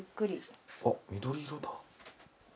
あっ緑色だ。